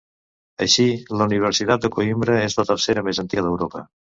Així, la Universitat de Coïmbra és la tercera més antiga d'Europa.